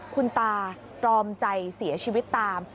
คุณตาตรอมใจเสียชีวิตตาม